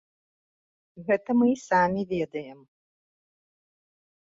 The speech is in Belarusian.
Гэта мы і самі ведаем.